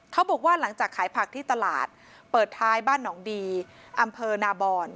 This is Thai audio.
เขาบอกว่าหลังจากขายผักที่ตลาดเปิดท้ายบ้านหนองดีอำเภอนาบอน